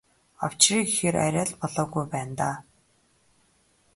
Авчиръя гэхээр арай болоогүй байна даа.